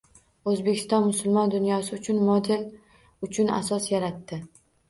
Oʻzbekiston musulmon dunyosi uchun model uchun asos yaratdi.